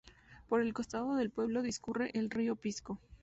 Por el costado del pueblo discurre el río Pisco.